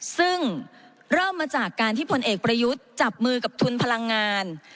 ซึ่งเริ่มมาจากการที่พลเอกประยุทธ์จับมือกับทุนพลังงาน